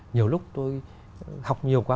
nhiều lúc tôi học nhiều quá